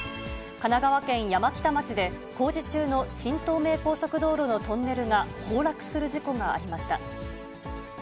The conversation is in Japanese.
神奈川県山北町で、工事中の新東名高速道路のトンネルが崩落する事故がありました。